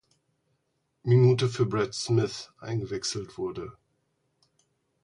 Minute für Brad Smith eingewechselt wurde.